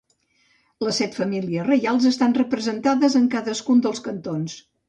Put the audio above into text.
Les set famílies reials estan representades en cadascun dels cantons.